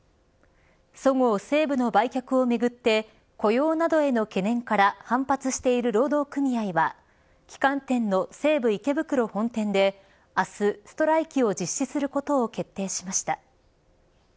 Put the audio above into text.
そごう・西武の売却をめぐって雇用などへの懸念から反発している労働組合は旗艦店の西武池袋本店で明日、ストライキを実施することを決定しました。